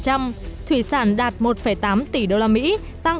các mặt hàng lâm sản chính đạt hai bốn tỷ usd tăng một mươi sáu năm